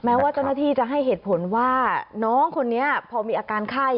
แม้ว่าเจ้าหน้าที่จะให้เหตุผลว่าน้องคนนี้พอมีอาการไข้